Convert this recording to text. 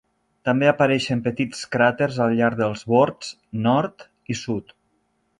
També apareixen petits cràters al llarg dels bords nord i sud.